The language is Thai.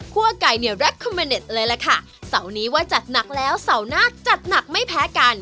คั่วไก่เนี่ยเลยละค่ะเสานี้ว่าจัดหนักแล้วเสาหน้าจัดหนักไม่แพ้กัน